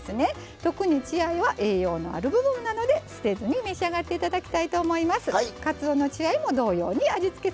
特に血合いは栄養のある部分なので捨てずに召し上がっていただきたいと思います。